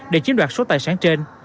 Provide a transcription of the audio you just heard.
để chiếm đoạt số tài sản trên